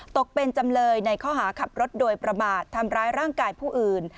ตกเป็นจำเลยในข้อหาขับรถโดยประมาททำร้ายร่างกายผู้อื่น